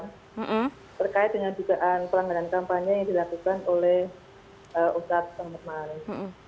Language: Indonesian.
terkait dengan jugaan pelangganan kampanye yang dilakukan oleh ustadz selamat ma'arif